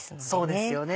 そうですよね。